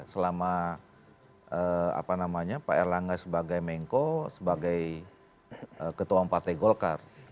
selama pak erlangga sebagai mengko sebagai ketua partai golkar